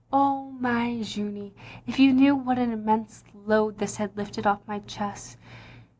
.. "Oh my Jeannie, if you knew what an immense load this had lifted off my chest.